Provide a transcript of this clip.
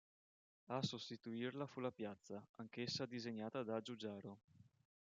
A sostituirla fu la Piazza, anch'essa disegnata da Giugiaro.